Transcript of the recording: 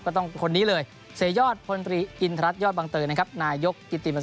ก็ต้องเป็นคนนี้เลย